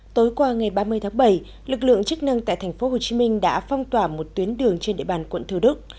tối qua ngày ba mươi tháng bảy lực lượng chức năng tại tp hcm đã phong tỏa một tuyến đường trên địa bàn quận thủ đức